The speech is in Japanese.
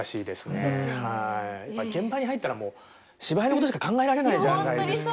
現場に入ったらもう芝居のことしか考えられないじゃないですか。